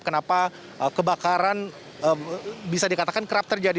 kenapa kebakaran bisa dikatakan kerap terjadi